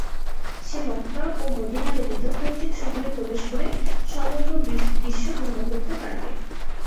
সে Mecca ও Medina ব্যতীত প্রত্যেক শহরে প্রবেশ করে সমগ্র বিশ্ব ভ্রমণ করতে পারবে।